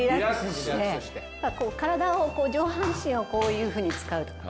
体を上半身をこういうふうに使うとか。